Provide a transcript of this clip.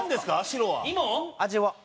味は？